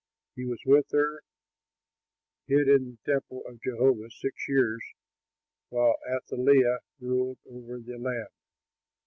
He was with her, hid in the temple of Jehovah, six years, while Athaliah ruled over the land.